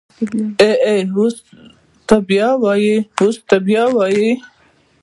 ای ای ته بيا ووی اوس ته بيا ووی.